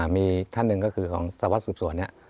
มีท่านหนึ่งก็คือของสวัสดิสืบสวนเนี่ย